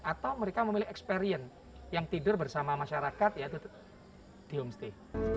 atau mereka memilih experience yang tidur bersama masyarakat yaitu di homestay